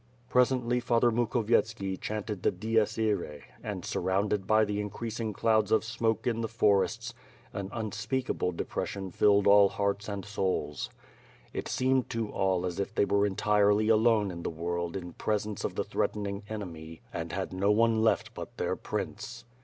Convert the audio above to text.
Presently Father Mukhovietski chanted the Dies Irae and, surrounded by the increasing clouds of smoke in the forests an unspeakable depression filled all hearts and souls. It seemed to all as if they were entirely alone in the world in presence of the threatening enemy ... and had no one left but their prince.